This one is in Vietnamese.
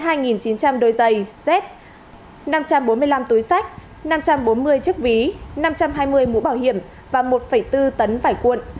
hai chín trăm linh đôi giày dép năm trăm bốn mươi năm túi sách năm trăm bốn mươi chiếc ví năm trăm hai mươi mũ bảo hiểm và một bốn tấn vải cuộn